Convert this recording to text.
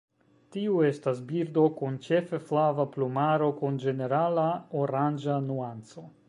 Tiu estas birdo, kun ĉefe flava plumaro kun ĝenerala oranĝa nuanco.